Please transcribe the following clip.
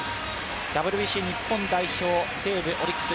ＷＢＣ日本代表、西武×オリックス